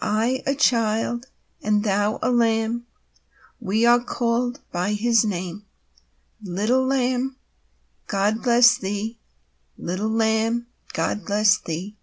I a child, and thou a lamb, We are called by His name. Little Lamb, God bless thee! Little Lamb, God bless thee!